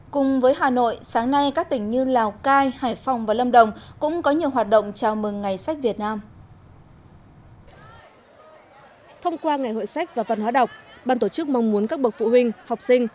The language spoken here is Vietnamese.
cùng với hà nội sáng nay các tỉnh như lào cai hải phòng và lâm đồng cũng có nhiều hoạt động chào mừng ngày sách việt nam